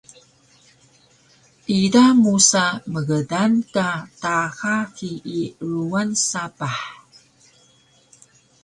ida musa mgdang ka taxa hiyi ruwan sapah